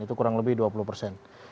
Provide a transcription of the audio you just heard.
itu kurang lebih dua puluh persen